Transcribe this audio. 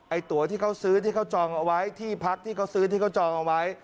ตัวที่เขาซื้อที่เขาจองเอาไว้ที่พักที่เขาซื้อที่เขาจองเอาไว้